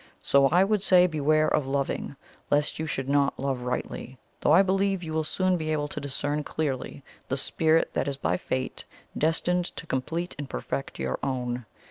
So I would say beware of loving, lest you should not love rightly though I believe you will soon be able to discern clearly the spirit that is by fate destined to complete and perfect your own.